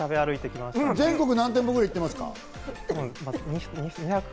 全国、何店舗ぐらい行ってますか？